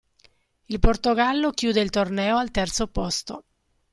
Il Portogallo chiude il torneo al terzo posto.